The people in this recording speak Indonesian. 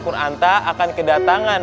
kuranta akan kedatangan